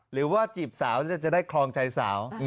หรือว่าจีบสาวจะได้ครองใจสาว